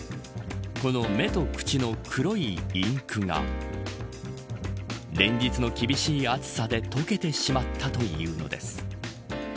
この目と口の黒いインクが連日の厳しい暑さで溶けてしまったというのです。